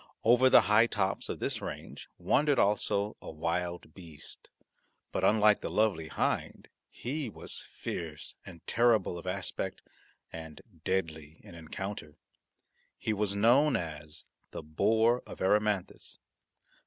Over the high tops of this range wandered also a wild beast, but unlike the lovely hind he was fierce and terrible of aspect and deadly in encounter. He was known as the boar of Erymanthus.